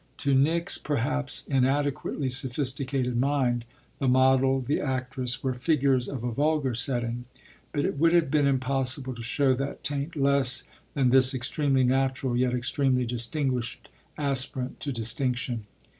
To Nick's perhaps inadequately sophisticated mind the model, the actress were figures of a vulgar setting; but it would have been impossible to show that taint less than this extremely natural yet extremely distinguished aspirant to distinction.